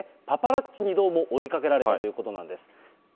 パパラッチにどうも追いかけられたということなんです。